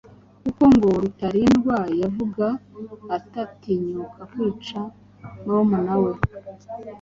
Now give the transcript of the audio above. kuko ngo Rutalindwa yumvaga atatinyuka kwica murumuna we.